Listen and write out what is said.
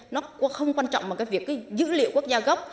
nó không quan trọng bằng cái việc cái dữ liệu quốc gia gốc